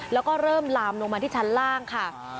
แล้วก็เริ่มลามลงมาที่ชั้นล่างค่ะ